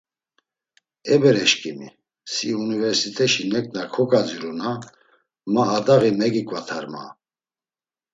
E bereşǩimi, si universiteşi neǩna kogaziru na, ma; adaği megiǩvatar, ma.